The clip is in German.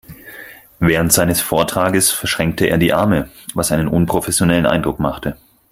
Während seines Vortrages verschränkte er die Arme, was einen unprofessionellen Eindruck machte.